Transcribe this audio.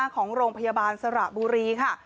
ของโรงพยาบาลสระบุรีค่ะ